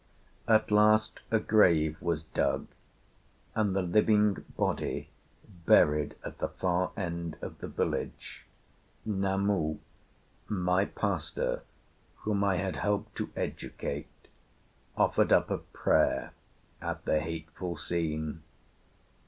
At last a grave was dug, and the living body buried at the far end of the village. Namu, my pastor, whom I had helped to educate, offered up a prayer at the hateful scene.